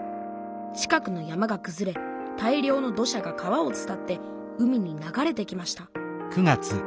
近くの山がくずれ大量の土砂が川を伝って海に流れてきました。